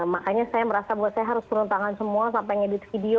makanya saya merasa buat saya harus turun tangan semua sampai ngedit video